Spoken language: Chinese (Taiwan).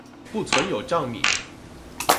不存有帳密